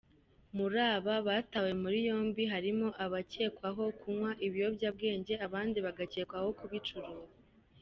Muri aba batawe muri yombi harimo abakekwaho kunywa ibiyobyabwenge abandi bagakekwaho kubicuruza.